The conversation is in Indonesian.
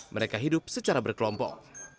mereka hidup secara berkelompok